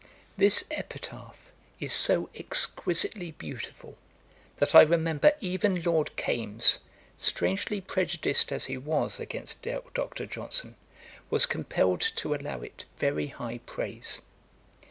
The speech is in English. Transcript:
This Epitaph is so exquisitely beautiful, that I remember even Lord Kames, strangely prejudiced as he was against Dr. Johnson, was compelled to allow it very high praise.